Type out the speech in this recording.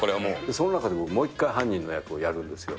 その中でももう１回犯人の役をやるんですよ。